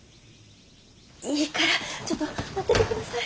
いいからちょっと待ってて下さい。